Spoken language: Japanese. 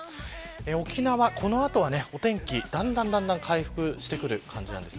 沖縄、この後はお天気だんだん回復してくる感じなんです。